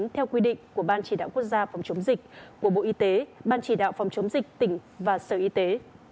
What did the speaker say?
theo quy định của ban chỉ đạo quốc gia phòng chống dịch của bộ y tế ban chỉ đạo phòng chống dịch tỉnh và sở y tế